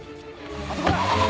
あそこだ！